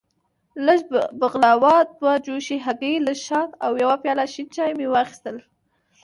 لږه بغلاوه، دوه جوشې هګۍ، لږ شات او یو پیاله شین چای مې واخیستل.